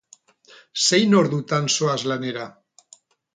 Zein ordutan zoaz lanera?